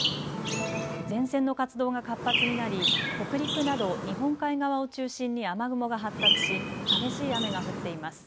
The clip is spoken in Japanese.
前線の活動が活発になり北陸など日本海側を中心に雨雲が発達し激しい雨が降っています。